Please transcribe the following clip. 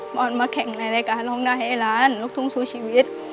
ออนมาแข่งในรายการร้องได้ให้ล้านลูกทุ่งสู้ชีวิต